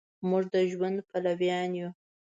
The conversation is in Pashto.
مونږ د ژوند پلویان یو